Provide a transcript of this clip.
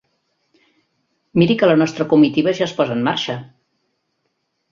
-Miri que la nostra comitiva ja es posa en marxa…